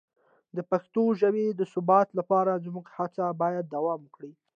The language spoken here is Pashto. د پښتو ژبې د ثبت لپاره زموږ هڅې باید دوام وکړي.